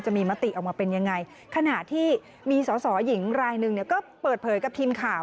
ในส่วนของเก้าไกลจะมีเงื่อนไขไหมคะ